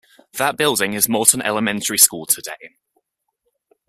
That building is Moulton Elementary School today.